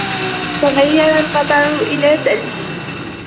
تغير المطر إلى ثلج.